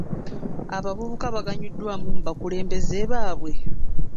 Abavubuka baganyuddwa mu bakulembeze baabwe?